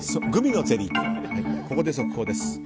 ここで速報です。